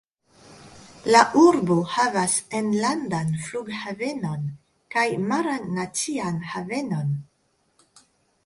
La urbo havas enlandan flughavenon kaj maran nacian havenon.